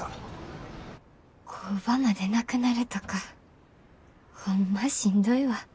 工場までなくなるとかホンマしんどいわ。